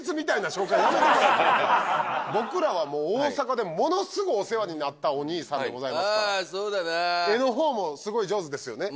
僕らはもう大阪でものすごいお世話になったお兄さんでございますからああそうだなあ絵の方もすごい上手ですよね？